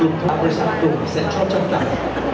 อยู่ทางประสานกรุงแซนชอลจำกัด